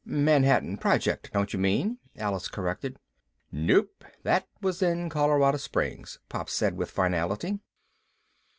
"Manhattan Project, don't you mean?" Alice corrected. "Nope, that was in Colorado Springs," Pop said with finality.